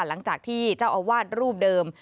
หลังจากที่เจ้าอาวาสรูปเดิม